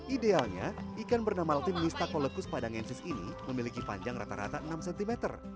idealnya ikan bernama latin lista colecus pada ngencis ini memiliki panjang rata rata enam cm